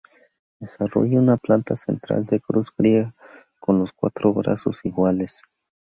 Desarrolla una planta central de cruz griega con los cuatro brazos iguales.